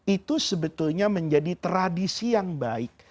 itu sebetulnya menjadi tradisi yang baik